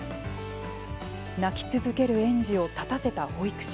泣き続ける園児を立たせた保育士。